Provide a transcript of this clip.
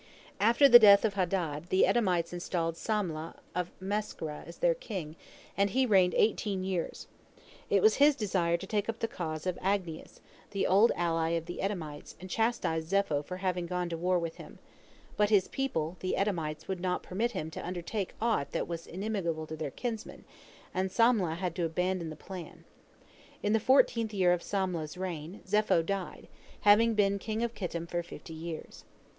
After the death of Hadad, the Edomites installed Samlah of Masrekah as their king, and he reigned eighteen years. It was his desire to take up the cause of Agnias, the old ally of the Edomites, and chastise Zepho for having gone to war with him, but his people, the Edomites, would not permit him to undertake aught that was inimical to their kinsman, and Samlah had to abandon the plan. In the fourteenth year of Samlah's reign, Zepho died, having been king of Kittim for fifty years.